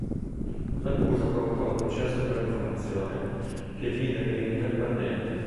L'accusa provocò un processo per diffamazione che vide Greene perdente.